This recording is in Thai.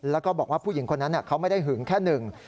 แล้วก็บอกว่าผู้หญิงคนนั้นเขาไม่ได้หึงแค่หนึ่ง